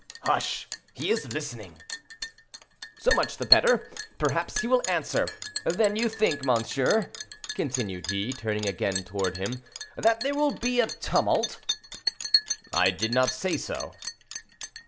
"Hush! he is listening." "So much the better; perhaps he will answer. Then you think, monsieur," continued he, turning again toward him, "that there will be a tumult?" "I did not say so."